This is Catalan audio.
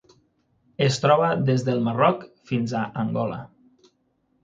Es troba des del Marroc fins a Angola.